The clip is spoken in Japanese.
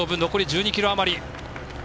残り１２ｋｍあまり。